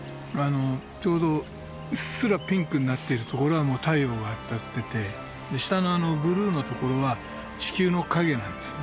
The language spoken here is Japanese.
ちょうどうっすらピンクになってるところが太陽が当たってて下のブルーのところは地球の影なんですね。